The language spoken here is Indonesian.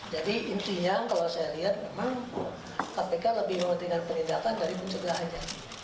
jadi intinya kalau saya lihat memang kpk lebih mementingkan penindakan dari pencegahannya